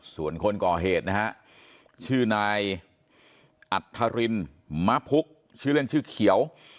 ส่วนคนก่อเหตุนะฮะชื่อนายอัธรินมะพุกชื่อเล่นชื่อเขียว